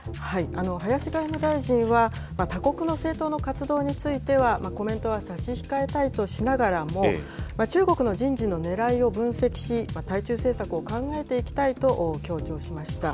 林外務大臣は、他国の政党の活動については、コメントは差し控えたいとしながらも、中国の人事のねらいを分析し、対中政策を考えていきたいと強調しました。